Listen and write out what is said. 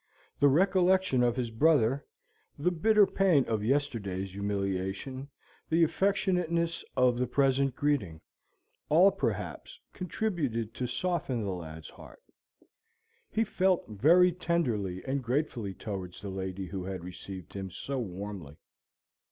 The recollection of his brother, the bitter pain of yesterday's humiliation, the affectionateness of the present greeting all, perhaps, contributed to soften the lad's heart. He felt very tenderly and gratefully towards the lady who had received him so warmly.